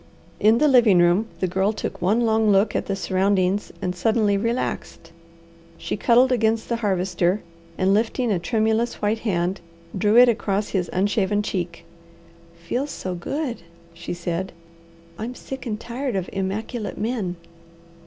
In the living room the Girl took one long look at the surroundings and suddenly relaxed. She cuddled against the Harvester and lifting a tremulous white hand, drew it across his unshaven cheek. "Feels so good," she said. "I'm sick and tired of immaculate men."